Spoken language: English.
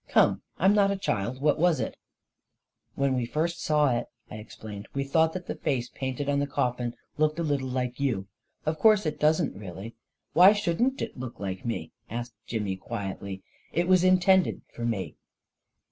" Come, I'm not a child. What was it ?"" When we first saw it," I explained, " we thought that face painted on the coffin looked a little like you. Of course it doesn't really ..."" Why shouldn't it look like me ?" asked Jimmy quietly. " It was intended for me."